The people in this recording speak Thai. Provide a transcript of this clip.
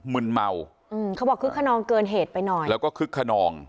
มึนเมาอืมเขาบอกคึกขนองเกินเหตุไปหน่อยแล้วก็คึกขนอง